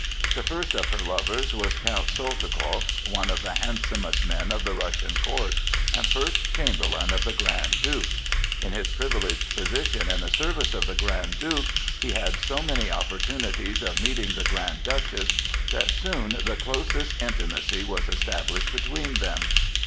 The first of her lovers was Count Soltikoff, one of the handsomest men of the Russian court, and first chamberlain of the Grand Duke. In his privileged position in the service of the Grand Duke he had so many opportunities of meeting the Grand Duchess, that soon the closest intimacy was established between them.